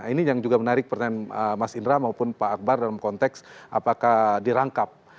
ini yang juga menarik pertanyaan mas indra maupun pak akbar dalam konteks apakah dirangkap